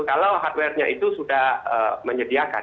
kalau hardware nya itu sudah menyediakan